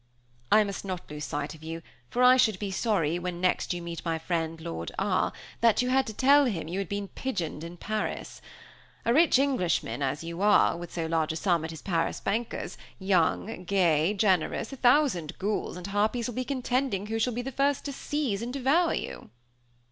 "I must not lose sight of you, for I should be sorry, when next you meet my friend Lord R , that you had to tell him you had been pigeoned in Paris. A rich Englishman as you are, with so large a sum at his Paris bankers, young, gay, generous, a thousand ghouls and harpies will be contending who shall be the first to seize and devour you."